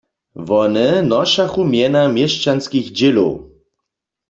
Wone nošachu mjena měšćanskich dźělow.